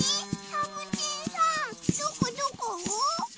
サボテンさんどこどこ？